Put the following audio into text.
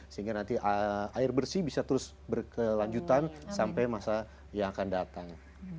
sehingga nanti air bersih bisa terus berkelanjutan sampai masa yang akan datang